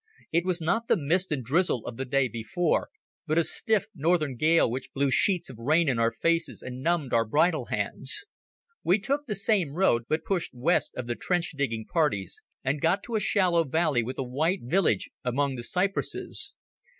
It was not the mist and drizzle of the day before, but a stiff northern gale which blew sheets of rain in our faces and numbed our bridle hands. We took the same road, but pushed west of the trench digging parties and got to a shallow valley with a white village among the cypresses.